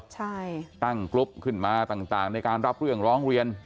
ใช่ตั้งกรุ๊ปขึ้นมาต่างในการรับเรื่องร้องเรียน